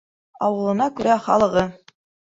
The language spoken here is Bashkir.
Ауылына күрә халығы.